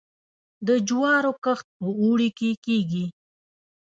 د جوارو کښت په اوړي کې کیږي.